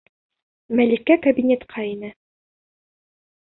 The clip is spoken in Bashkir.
Мәликә кабинетҡа инә.